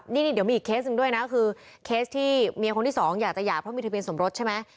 นี่เดี๋ยวมีอีกเคสหนึ่งด้วยนะคือเคสที่เมียคนที่สองอยากจะหย่าเพราะมีทะเบียนสมรสใช่ไหม